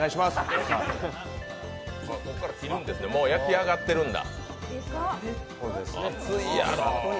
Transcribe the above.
ここから切るんですね、もう焼き上がってるんだ。